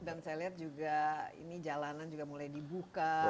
dan saya lihat juga ini jalanan juga mulai dibuka